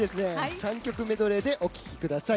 ３曲メドレーでお聴きください。